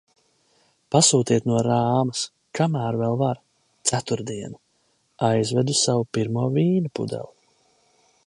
Pasūtiet no Rāmas, kamēr vēl var! Ceturtdiena. Aizvedu savu pirmo vīna pudeli.